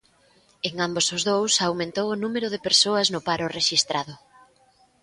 En ambos os dous aumentou o número de persoas no paro rexistrado.